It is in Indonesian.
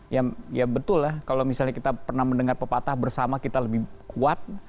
ya betul lah kalau misalnya kita pernah mendengar pepatah bersama kita lebih kuat